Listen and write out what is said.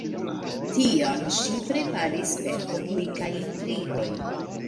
Tion ŝi preparis per komplikaj intrigoj.